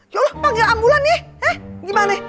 ya allah panggil ambulan ya eh gimana